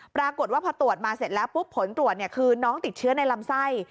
ปรากฏว่าพอตรวจมาเสร็จแล้วปุ๊บผลตรวจคือน้องติดเชื้อในลำไส้